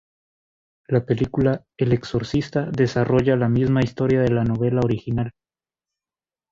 La película "El Exorcista" desarrolla la misma historia de la novela original.